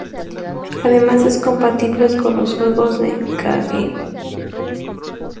Además es compatible con los juegos de N-Gage.